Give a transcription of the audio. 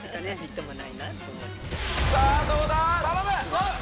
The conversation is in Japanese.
さあ、どうだ。